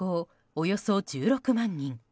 およそ１６万人。